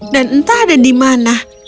dan entah ada di mana